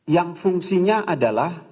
yang fungsinya adalah